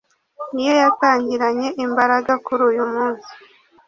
ni yo yatangiranye imbaraga kuri uyu munsi